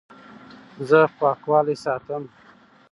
زه پاکوالی ساتم.